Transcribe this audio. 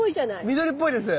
緑っぽいです。